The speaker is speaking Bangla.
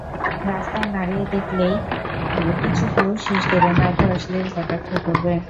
রাস্তায় নারী দেখলেই কিছু পুরুষ শিস দেবে, নয়তো অশ্লীল কটাক্ষ করবে।